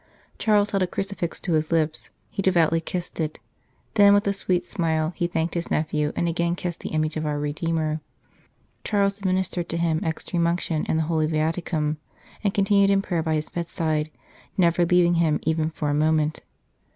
Charles held a crucifix to his lips ; he devoutly kissed it ; then, with a sweet smile, he thanked his nephew and again kissed the image of our Redeemer. Charles administered 45 St. Charles Borromeo to him Extreme Unction and the Holy Viaticum, and continued in prayer by his bedside, never leaving him even for a moment.